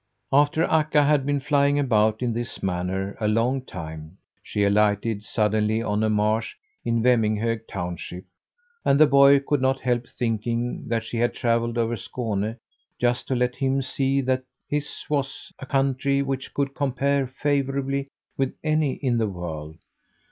After Akka had been flying about in this manner a long time she alighted suddenly on a marsh in Vemminghög township and the boy could not help thinking that she had travelled over Skåne just to let him see that his was a country which could compare favourably with any in the world.